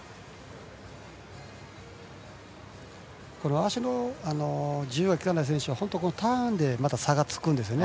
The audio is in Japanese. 足の自由が利かない選手はターンで差がつくんですよね。